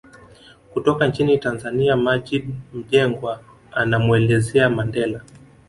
Kutoka nchini Tanzania Maggid Mjengwa anamuelezea Mandela